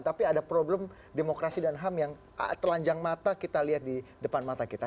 tapi ada problem demokrasi dan ham yang telanjang mata kita lihat di depan mata kita